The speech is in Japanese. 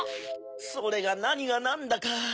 それがなにがなんだか。